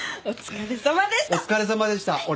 お疲れさまでした！